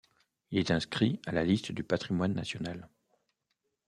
Il est inscrit à la liste du patrimoine national.